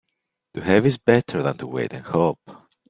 To have is better than to wait and hope.